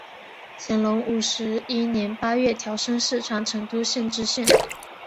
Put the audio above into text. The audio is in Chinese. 乾隆五十一年八月调升四川成都县知县。